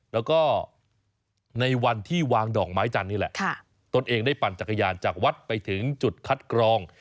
แล้วก็ในวันที่วางดอกไม้จันทร์นี่แหละตนเองได้ปั่นจักรยานจากวัดไปถึงจุดคัดกรอง